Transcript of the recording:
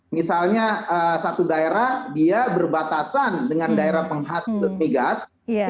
misalnya satu daerah berbatasan dengan daerah pegas penghas